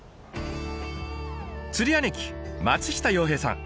釣り兄貴松下洋平さん。